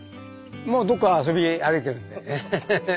もうどっか遊び歩いてるんだよね。